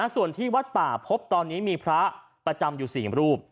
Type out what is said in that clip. ส่วนที่วัดป่าพบตอนนี้มีพระประจำอยู่๔รูป